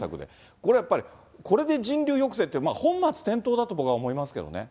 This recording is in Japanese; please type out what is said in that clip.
これはやっぱり、これで人流抑制って、まあ本末転倒だと僕は思いますけどね。